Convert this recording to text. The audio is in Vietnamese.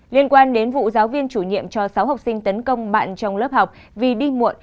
liên quan đến vụ giáo viên chủ nhiệm cho sáu học sinh tấn công bạn trong lớp học vì đi muộn